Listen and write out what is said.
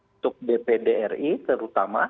untuk dpd ri terutama